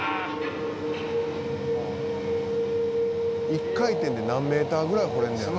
「１回転で何メーターぐらい掘れんのやろか？」